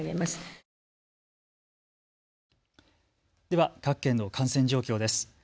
では各県の感染状況です。